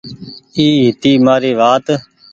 اي هيتي مآري وآت۔